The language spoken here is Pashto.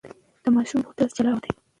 د ماشوم بوتل جلا وساتئ.